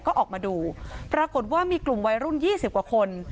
ก็ออกมาดูปรากฏว่ามีกลุ่มวัยรุ่น๒๐กว่าคน